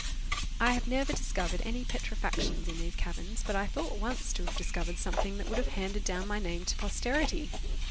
I have never discovered any petrifactions in these caverns, but I thought once to have discovered something that would have handed down my name to posterity.